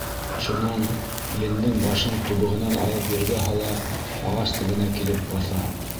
Шунан ендең башын тубығынан алып ергә һала, ағас төбөнә килеп баҫа.